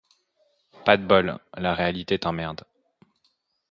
Pas de bol : la réalité t’emmerde.